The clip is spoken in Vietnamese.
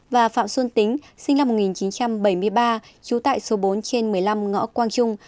và phạm xuân tính sinh năm một nghìn chín trăm bảy mươi ba trú tại số bốn trên một mươi năm ngõ quang trung